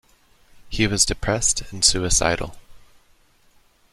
He was depressed and suicidal.